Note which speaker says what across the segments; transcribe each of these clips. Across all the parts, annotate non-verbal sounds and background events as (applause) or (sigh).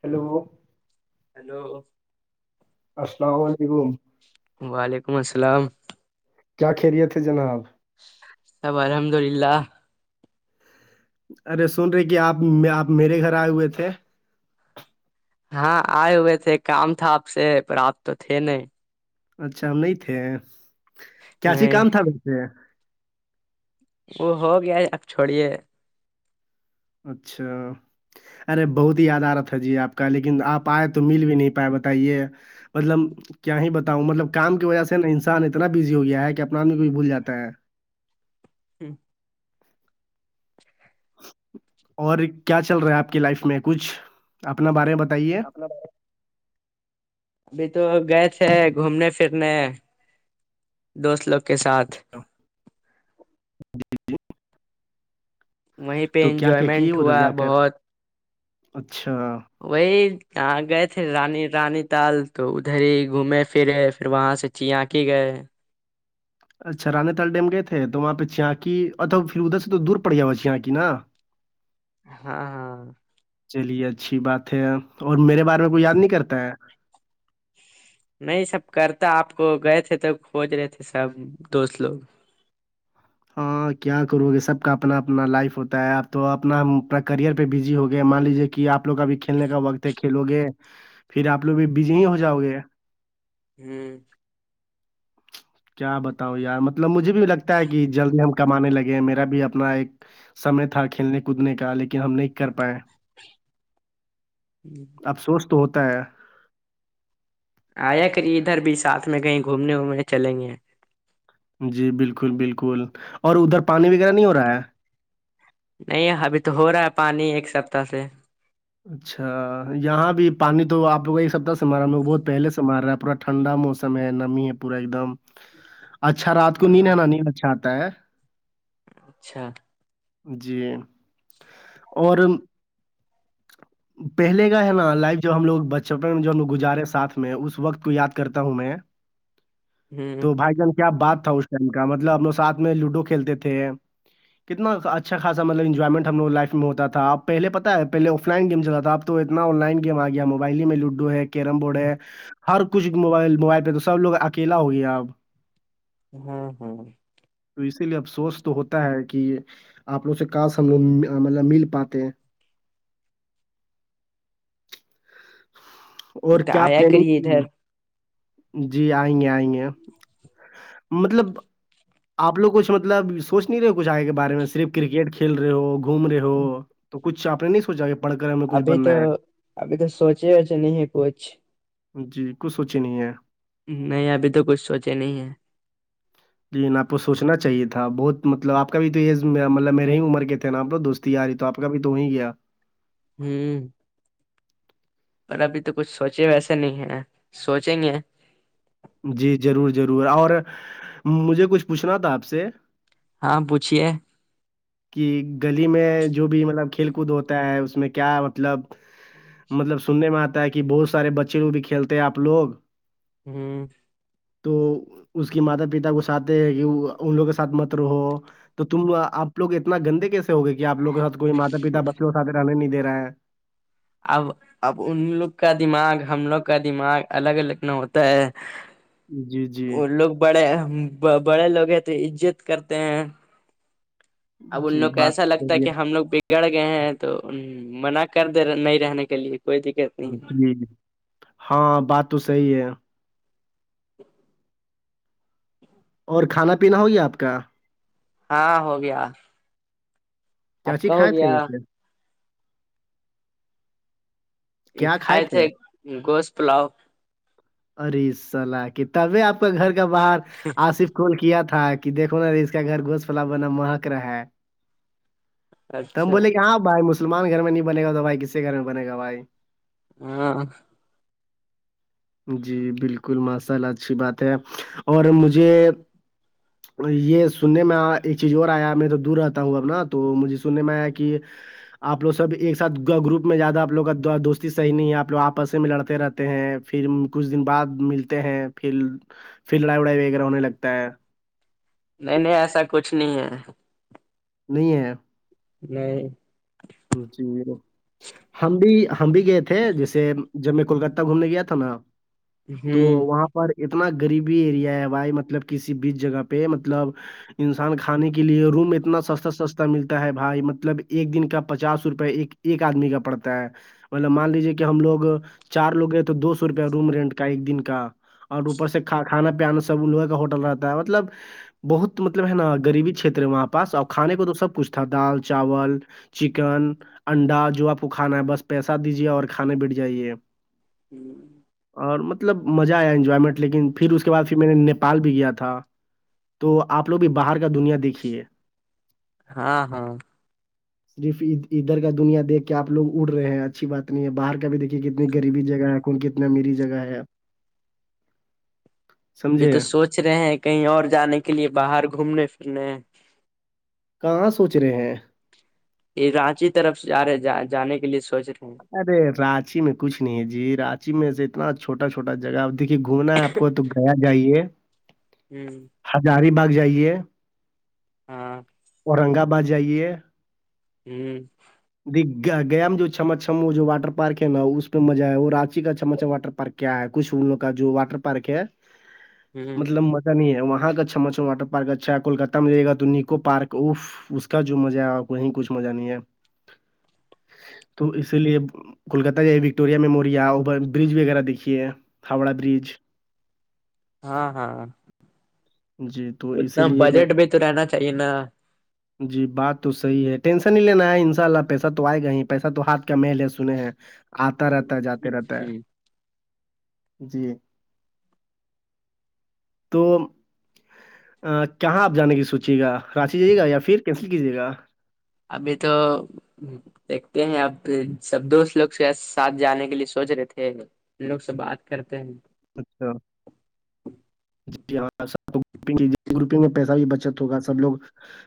Speaker 1: Hello
Speaker 2: hello
Speaker 1: السلام علیکم
Speaker 2: وعلیکم السلام
Speaker 1: کیا خیریت ہے جناب
Speaker 2: سب الحمد للہ
Speaker 1: ارے سن رہے کہ آپ آپ میرے گھر آئے ہوئے تھے
Speaker 2: ہاں آئے ہوئے تھے کام تھا آپ سے پر آپ تو تھے نہیں
Speaker 1: اچھا ہم نہیں تھے کیا
Speaker 2: نہیں
Speaker 1: کام تھا ویسے
Speaker 2: وہ ہو گیا ہے آپ چھوڑیے
Speaker 1: اچھا ارے بہت ہی یاد آ رہت ہے جی آپ کا لیکن آپ آئے تو مل بھی نہیں پائے بتائیے مطلب کیا ہی بتاؤں مطلب کام کی وجہ سے نا انسان اتنا بزی ہو گیا ہے کہ اپنا آدمی کو بھی بھول جاتا ہے
Speaker 2: ہی
Speaker 1: اور کیا چل رہا ہے آپ کی لائف میں کچھ اپنا بارے میں بتائیے
Speaker 2: مط ابھی تو گئے تھے گھومنے پھرنے دوست لوگ کے ساتھ
Speaker 1: جی جی
Speaker 2: وہیں پہ
Speaker 1: تو کیا کیا کیے
Speaker 2: انجوائمنٹ
Speaker 1: ادھر
Speaker 2: ہوا
Speaker 1: جا کر
Speaker 2: بہت
Speaker 1: اچھا
Speaker 2: وہی یہاں گئے تھے رانی رانی تال تو ادھر ہی گھومے پھرے پھر وہاں سے چیا کی گئے
Speaker 1: اچھا رانی تال ڈیم گئے تھے تو وہاں پہ چانکی پھر ادھر سے تو دور پڑ گیا ہوا چی کی نا (inaudible)
Speaker 2: ہاں ہاں
Speaker 1: چلیے اچھی بات ہے اور میرے بارے میں کوئی یاد نہیں کرتا ہے
Speaker 2: نہیں سب کرتا آپ کو گئے تھے تو کھوج رہے تھے سب دوست لوگ
Speaker 1: ہاں کیا کرو گے سب کا اپنا اپنا لائف ہوتا ہے اپ تو اپنا کریئر پہ بزی ہو گیا مان لیجیے کہ کہ آپ لوگ ابھی کھیلنے کا وقت ہے کھیلو گے پھر آپ لوگ بھی بزی ہی ہو جاؤ گے
Speaker 2: ہوں
Speaker 1: کیا بتاؤ یار مطلب مجھے بھی لگتا ہے کہ جلدی ہم کمانے لگے میرا بھی اپنا ایک سمے تھا کھیلنے کودنے کا لیکن ہم نہیں کر پائے (inaudible)
Speaker 2: ہوں
Speaker 1: افسوس تو ہوتا ہے
Speaker 2: آیا کریے ادھر بھی ساتھ میں گئیں گھومنے وومنے چلیں گے
Speaker 1: جی بالکل بالکل اور ادھر پانی وغیرہ نہیں ہو رہا ہے
Speaker 2: نہیں ابھی تو ہو رہا ہے پانی ایک سپتاہ سے
Speaker 1: اچھا یہاں بھی پانی تو آپ لوگ ایک سپتہ سے مار رہا ہے بہت پہلے سے مار رہا ہے پورا ٹھنڈا موسم ہے نمی ہے پورا ایک دم اچھا رات کو نیند
Speaker 2: ہاں
Speaker 1: ہے نا نیند اچھا آتا ہے
Speaker 2: اچھا
Speaker 1: جی اور پہلے کا ہے نا لائف جو ہم لوگ بچپن میں جو ہم لگ گزارے ساتھ میں اس وقت کو یاد کرتا ہوں میں
Speaker 2: ہوں
Speaker 1: تو بھائی جان کیا بات تھا اس ٹائم کا مطلب اپ لوگ ساتھ میں لوڈو کھیلتے تھے کتنا اچھا خاصا مطلب انجوائمنٹ ہم لوگ لائف میں ہوتا تھا آپ پہلے پتہ ہے پہلے آف لائن گیم چلاتا تھا اب تو آن لائن گیم آ گیا موبائل ہی میں لوڈو ہے کیرم بورڈ ہے ہر کچھ موبائل موبائل پہ تو سب لوگ اکیلا ہو گیا آب
Speaker 2: ہاں ہاں
Speaker 1: تو اسی لیے افسوس تو ہوتا ہے کہ آپ لووں سے کاش ہم لوگ مطلب مل پاتے ہیں اور
Speaker 2: تو
Speaker 1: کیا
Speaker 2: آیا کریے
Speaker 1: پلاننگ
Speaker 2: ادھر
Speaker 1: جی آئیں گے آئیں گے مطلب آپ لوگ کچھ مطلب سوچ نہیں رہے ہو کچھ آگے کے بارے میں صرف کرکٹ کھیل رہے ہو گھوم رہے ہو تو کچھ آپ نے نہیں سوچا کہ پڑھ کر ہمیں کچھ
Speaker 2: ابھی تو
Speaker 1: بننا ہے
Speaker 2: ابھی تو سوچے وچے نہیں ہے کچھ
Speaker 1: جی کچھ سوچی نہیں ہے
Speaker 2: نہیں ابھی تو کچھ سوچے نہیں ہے
Speaker 1: جی آپ کو سوچنا چاہیے تھا بہت مطلب آپ کا بھی تو یہی مطلب میرے ہی عمر کے تھے نا آپ دوست یاری تو آپ کا بھی تو ہی گیا
Speaker 2: ہی (unintelligible) پر ابھی تو کچھ سوچے ویسے نہیں ہے سوچیں گے
Speaker 1: جی ضرور ضرور اور مجھے کچھ پوچھنا تھا آپ سے
Speaker 2: ہاں پوچھیے
Speaker 1: (inaudible) کہ گلی میں جو بھی مطلب کھیل کود ہوتا ہے اس میں کیا مطلب مطلب سننے میں آتا ہے کہ بہت سارے بچے وہ بھی کھیلتے ہیں آپ لوگ
Speaker 2: ہوں
Speaker 1: تو اس کی ماتا پتا کو چاہتے ہیں کہ ان لوگ کے ساتھ مت رہو تو تم آپ لوگ اتنا گندے کیسے ہو گے کہ آپ لوگ کے سات کوئی ماتا پیتا بچوں سات رہنے نہیں دے رہے ہیں
Speaker 2: اب اب ان لوگ کا دماغ ہم لوگ کا دماغ الگ لگنا ہوتا ہے
Speaker 1: جی جی
Speaker 2: وہ لوگ بڑے بڑے لوگ ہیں تو عزت کرتے ہیں اب ان
Speaker 1: جی
Speaker 2: لوگ کو
Speaker 1: بات
Speaker 2: ایسا
Speaker 1: تو
Speaker 2: لگتا ہے
Speaker 1: صحیح
Speaker 2: کہ ہم لوگ بگڑ گئے ہیں تو منع کر د نہیں رہنے کے لیے کوئی دقت نہیں
Speaker 1: جی ہاں بات تو صحیح ہے
Speaker 2: (inaudible)
Speaker 1: اور کھانا پینا ہوگیا آپ کا
Speaker 2: ہاں ہو گیا
Speaker 1: کیا
Speaker 2: آپ
Speaker 1: چیز
Speaker 2: کا ہو
Speaker 1: کھائے تھے
Speaker 2: گیا
Speaker 1: ویسے
Speaker 2: کھائے تھے گوشت پلاؤ
Speaker 1: اری صلاح کی تبھی آپ کا گھر کا باہر آصف کول کیا تھا کہ دیکھو نا اس کا گھر گھس فلا بنا مہک رہا ہے تو ہم
Speaker 2: اچھا
Speaker 1: بولے کہ ہاں بھائی مسلمان گھر میں نہیں بنے گا تو بھائی کسسی گھر میں بنے گا بھائی
Speaker 2: ہاں
Speaker 1: جی بالکل ماشاء اللہ اچھی بات ہے اور مجھے یہ سننے میں ایک چیز اور آیا میں تو دور رہتا ہوں اب نا تو مجھے سننے میں آیا کہ آپ لوگ سب ایک ساتھ گروپ میں زیادہ آپ لوگ کا دوستی صحیح نہیں ہے آپ لوگ آپس میں لڑتے رہتے ہیں پھر کچھ دن بعد ملتے ہیں پھر پھر لڑائی وڑائی وغیرہ ہونے لگتا ہے
Speaker 2: نہیں نہیں ایسا کچھ نہیں ہے
Speaker 1: نہیں ہے
Speaker 2: نہیں
Speaker 1: جی ہم بھی ہم بھی گئے تھے تھے جیسے جب میں کولکتہ گھومنے گیا تھا نا تو
Speaker 2: ہوں
Speaker 1: وہاں پر اتنا غریبی ایریا ہے بھائی مطلب کسی بھی جگہ پر مطلب انسان کھانے کے لیے روم اتنا سستا سستا ملتا ہے بھائی مطلب ایک دن کا پچاس روپئے ایک ایک آدمی کا پڑتا ہے مطلب مان لیجے کہ ہم لوگ چار لوگ گئے تو دو سو روپیہ روم رینٹ کا ایک دن کا اور اوپر سے کھانا پیانا سب ان لوگوں کا ہوٹل رہتا ہے مطلب بہت مطلب ہے نا غریبی چھیت ہے وہاں پاس اور کھانے کو تو سب کچھ تھا دال چاول چکن انڈا جو آپ کو کھانا ہے بس پیسہ دیجیے اور کھانے بٹھ جائیے
Speaker 2: ہوں
Speaker 1: اور مطلب مزہ آیا انجوائمنٹ لیکن پھر اس کے بعد پھر میں نےیپال بھی گیا تھا تو آپ لوگ بھی باہر کا دنیا دیکھیے
Speaker 2: ہاں ہاں
Speaker 1: صرف ادھر کا دنیا دیکھ کے آپ لوگ اڑ رہے ہیں اچھی بات نہیں ہے باہر کا بھی دیکھ کتنی غریبی جگہ ہے کون کتنا امیری جگہ ہے
Speaker 2: ابھی تو
Speaker 1: سمجھے؟
Speaker 2: سوچ رہے ہیں کہیں اور جانے کے لیے باہر گھومنے پھرنے
Speaker 1: کہاں سوچ رہے ہیں
Speaker 2: یہ رانچی طرف سے جا رہے جانے کے لیے سوچ رہے ہیں
Speaker 1: ارے رانچی میں کچھ نہیں ہے جی رانچی میں سے اتنا چھوٹا چھوٹا جگہ دیکھیے گھومنا ہے آپ کو تو گوا جائیے
Speaker 2: ہوں
Speaker 1: ہزاری باغ جائیے
Speaker 2: ہاں
Speaker 1: اورنگ آباد جائیے
Speaker 2: ہوں
Speaker 1: دھک گیا میں جو چھماچھم وہ جو واٹر پارک نا اس پہ مزہ ہے وہ راچی کا چھما چھم واٹر پارک ہے کیا ہے کچھ ان لوگ کا جو واٹر پارک ہے
Speaker 2: ہ
Speaker 1: مطلب ہے وہاں کا اچھا مچھا واٹر پارک اچھا کولکتہ میں دیکھا تو نکو پارک اف اس کا جو مزہ ہے وہیں کچھ مزہ نہیں ہے تم اسی لیے کولکتہ وکٹوریا میموریا او برج وغیرہ دیکھیے ہے ہاوڑا برج (inaudible)
Speaker 2: ہاں ہاں
Speaker 1: جی تو
Speaker 2: اتنا
Speaker 1: اسی لیے
Speaker 2: بجٹ بھی تو رہنا چاہیے نا
Speaker 1: جی بات تو صحیح ہے ٹینشن نہیں لینا ہے انشاءاللہ پیسہ تو آئے گا ہی پیسہ تو ہاتھ کا میل ہے سنے ہے آتا رہتا ہے جاتے رہتا ہے
Speaker 2: ہوں
Speaker 1: جی تو کہاں آپ جانے کی سوچیں گا ساتھ ہی جائیے گا یا پھر کینسل کیجیے گا
Speaker 2: ابھی تو دیکھتے ہیں اپ سب دوست لوگ ساتھ جانے کے لیے سوچ رہے تھے ان لوگ سے بات کرتے ہیں
Speaker 1: اچھا جی ہاں گروپنگ میں پیسہ بھی بچت ہوگا سب لوگ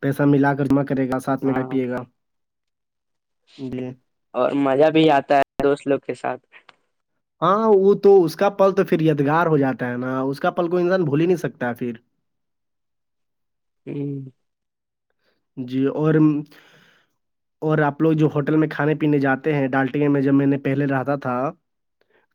Speaker 1: پیسہ ملا کر جمع کرے گا ساتھ میں
Speaker 2: ہاں
Speaker 1: پیے گا جی
Speaker 2: اور مزہ بھی آتا ہے دوست لوگ کے ساتھ
Speaker 1: ہاں وہ تو اس کا پل تو پھر یادگار ہو جاتا ہے نا اس کا پل کوئی انسان بھول ہی نہیں سکتا ہے پھر
Speaker 2: ہوں
Speaker 1: جی اور اور آپ لوگ جو ہوٹل میں کھانے پینے جاتے ہیں ڈالٹگے میں جب میں نے پہلے رہتا تھا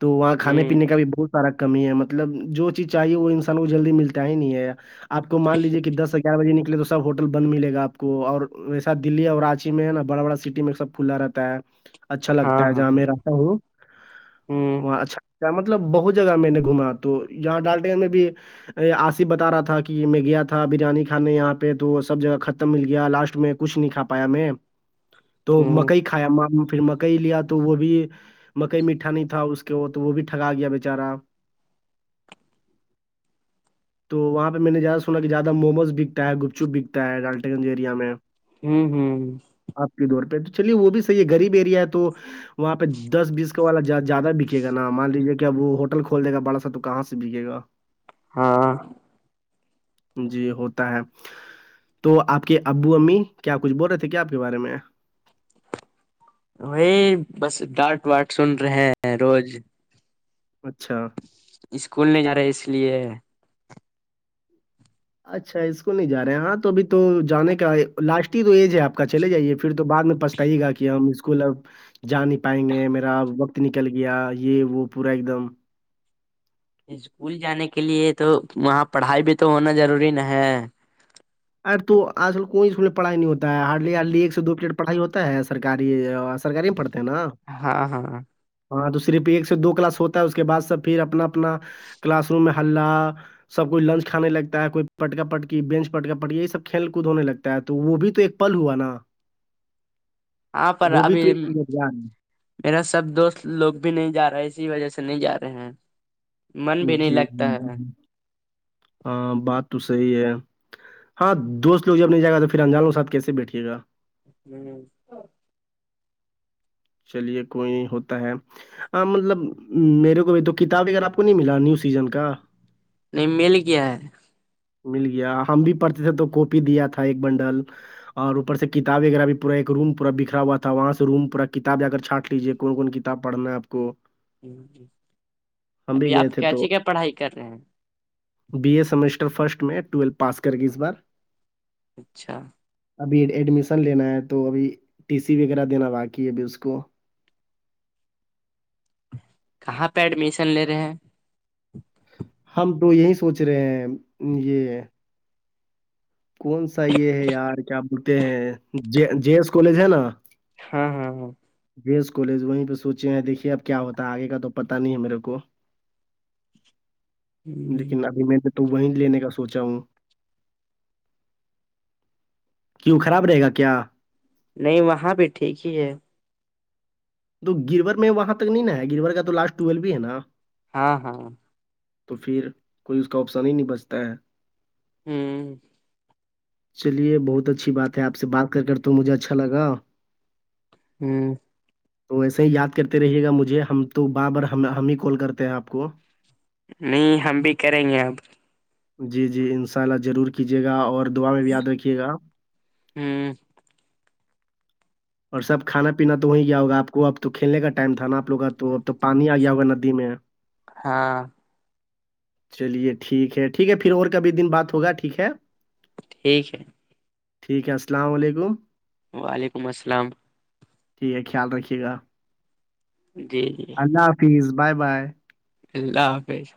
Speaker 1: تو وہاں
Speaker 2: ہ
Speaker 1: کھانے پینے کا بھی بہت سارا کمی ہے مطلب جو چیز چاہیے وہ انسان کو جلدی ملتا ہے ہی نہیں ہے آپ کو مان لیجیے کہ دس سے گیار بے نکلے تو سب ہوٹل بند ملے گا آپ آپ کو اور ایسا دلی اور راچی میں ہے نا بڑا بڑا سٹی میں سب کھلا رہتا ہے اچھا
Speaker 2: ہاں
Speaker 1: لگتا ہے
Speaker 2: ہاں
Speaker 1: جہاں
Speaker 2: ہاں
Speaker 1: میں رہتا ہوں
Speaker 2: ہ ہ
Speaker 1: وہاں اچھا کیا مطلب بہت جگہ میں نے گھما تو یہاں ڈال ڈگ میں بھی آصف بتا رہا تھا کہ میں گیا تھا بریانی کھانے یہاں پہ تو سب جگہ ختم مل گیا لاسٹ میں کچھ نہیں کا پایا میں تو
Speaker 2: ہوں
Speaker 1: مکئی کھایا پھر مک مطلب مکئی لیا تو وہ بھی مکئی میٹھا نہیں تھا اس کے وہ تو وہ بھی ٹگا گیا بیچارا (unintelligible) تو وہاں پہ میں نے زیادہ سنا کہ زیادہ موموز بکتا ہے گپ چپ بکتا ہے ڈال ٹنگ ایریا میں
Speaker 2: ہوں ہوں
Speaker 1: آپ کے دور پہ تو چلیے وہ بھی صحیح ہے غریب ایریا ہے تو وہاں پہ دس بیس کا والا زیادہ بکے گا نا مان لیجیے کہ اب وہ ہوٹل کھول دے گا بڑا سا تو کہاں سے بکے گا (unintelligible)
Speaker 2: ہاں
Speaker 1: جی ہوتا ہے تو آپ کے ابو امی کیا کچھ بول رہے تھے کیا آپ کے بارے میں
Speaker 2: وہی بس ڈانٹ واٹ سن رہے ہیں روز
Speaker 1: اچھا
Speaker 2: اسکول نہیں جا رہے اس لیے
Speaker 1: اچھا اسکول نہیں جا رہے ہیں ہاں تو ابھی تو جانے کا لاسٹ ہی تو ایج ہے آپ کا چلے جائیے پھر تو بعد میں پچھتائی کہ ہم اسکول اب جا نہیں پائیں گے میرا وقت نکل گیا یہ وہ پورا ایک دم
Speaker 2: اسکول جانے کے لیے تو وہاں پڑھائی بھی تو ہونا ضروری نہ ہے
Speaker 1: ارے تو آج کل کوئی اسکول میں پڑھائی نہیں ہوتا ہے ہارڈلیلی ایک سے دو پلیٹ پڑھائی ہوتا ہے سرکاری سرکاری میں پڑھتے ہیں نا
Speaker 2: ہاں ہاں
Speaker 1: ہاں تو صرف ایک سے دو کلاس ہوتا ہے اس کے بعد سب پھر اپنا اپنا کلاس روم میں ہلہ سب کوئی لنچ کھانے لگتا ہے کوئی پٹکا پٹکی بینچ پٹکا پٹیا یہ سب کھیل کود ہونے لگتا ہے تو وہ بھی تو ایک پل ہوا نا
Speaker 2: ہاں پر
Speaker 1: وہ بھی تو ایک
Speaker 2: ابھی میرا سب دوست لوگ بھی نہیں جا رہے اسی وجہ سے نہیں جا رہے ہیں من بھی
Speaker 1: ہے
Speaker 2: نہیں
Speaker 1: جی
Speaker 2: لگتا ہے
Speaker 1: ہاں بات تو صحیح ہے ہاں دوست لوگ جب نہیں جائے گا تو پھر انجانوں کے ساتھ کیسے بیٹھیے گا
Speaker 2: ہوں
Speaker 1: چلیے کوئی نہیں ہوتا ہے ہاں مطلب میرے کو تو کتاب وغیرہ آپ کو نہیں ملا نیو سیزن کا
Speaker 2: نہیں مل کیا ہے
Speaker 1: مل گیا ہم بھی پرڑتے تھے تو کوپی دیا تھا ایک بنڈل اور اوپر کتاب وغیرہ بھی پور ایک روم پورا بکھا ہوا تھا وہاں سے روم پور کتاب جا کر چھانٹ لیجیے کون کون کتاب تب پڑھنا ہے آپ کو ہم بھی
Speaker 2: ابھی
Speaker 1: گئے
Speaker 2: آپ
Speaker 1: تھے تو
Speaker 2: کیسیے کیا پڑھائی کر رہے ہیں
Speaker 1: بی اے سمیسٹر فرسٹ میں ٹویلو پاس کر گی اس بار
Speaker 2: اچھا
Speaker 1: ابھی ایڈمیشن لینا ہے تو ابھی ٹی سی وغیرہ دینا باقی ہے ابھی اس کو
Speaker 2: کہاں پہ ایڈمیشن لے رہے ہیں
Speaker 1: ہم تو یہی سوچ رہے ہیں یہ کون سا یہ ہے یار کیا بولتے ہیں جے ایس کالج ہے نا
Speaker 2: ہاں ہاں ہاں
Speaker 1: جیس کالج وہیں پہ سوچے ہیں دیکھیے اب کیا ہوتا ہے آگے کا تو پتا نہیں ہے میرے کو لیکن ابھی میں نے تو وہیں لینے کا سوچا ہوں کیوں خراب رہے گا کیا
Speaker 2: نہیں وہاں پہ ٹھیک ہی ہے
Speaker 1: تو گرور میں وہاں تک نہیں نا ہے گرور کا تو لاسٹ ٹویل بھی ہے نا
Speaker 2: ہاں ہاں
Speaker 1: تو پھر کوئی اس کا آپسن ہی نہیں بچتا ہے
Speaker 2: ہوں
Speaker 1: چلیے بہت اچھی بات ہے آپ سے بات کر کر تو مجھے اچھا لگا
Speaker 2: ہوں
Speaker 1: تو وسے ہی یاد کرتے رہیے گا مجھے ہم تو بار بار ہم ہی کال کرتے ہیں آپ کو
Speaker 2: نہیں ہم بھی کریں گے اب
Speaker 1: جی جی انشاء اللہ ضرور کیجیے گا اور دعا میں بھی یاد رکھیے گا
Speaker 2: ہوں
Speaker 1: اور سب کھانا پینا تو ہو ہی گیا ہوگا آپ کو اب تو کھیلنے کا ٹائم تھا نا آپ لوگ کا تو اب تو پانی آ گیا ہوا ندی میں (inaudible)
Speaker 2: ہاں
Speaker 1: چلیے ٹھیک ہے ٹھیک ہے پھر اور کبھی دن بات ہوگا ٹھیک ہے
Speaker 2: ٹھیک ہے
Speaker 1: ٹھیک ہے السلام علیکم
Speaker 2: وعلیکم السلام
Speaker 1: ٹھیک ہے خیال رکھیے گا
Speaker 2: جی جی
Speaker 1: اللہ حافظ بائے بائے
Speaker 2: اللہ حافظ